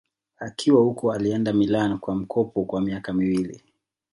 Akiwa huko alienda Milan kwa mkopo kwa miaka miwili